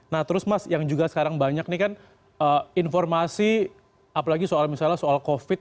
nah terus mas yang juga sekarang banyak nih kan informasi apalagi soal misalnya soal covid